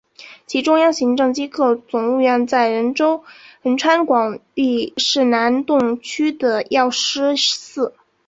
其中央行政机构总务院在仁川广域市南洞区的药师寺。